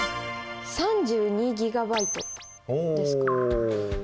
３２ギガバイトですかね。